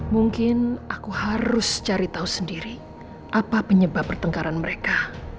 mungkin aku harus cari tahu sendiri apa penyebab pertengkaran mereka